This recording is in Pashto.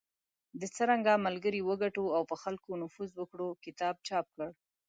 د"څرنګه ملګري وګټو او په خلکو نفوذ وکړو" کتاب چاپ کړ .